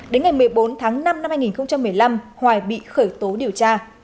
đến ngày một mươi bốn tháng năm năm hai nghìn một mươi năm hoài bị khởi tố điều tra